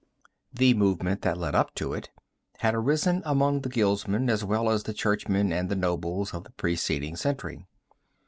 The movement that led up to it had arisen amongst the guildsmen as well as the churchmen and the nobles of the preceding century.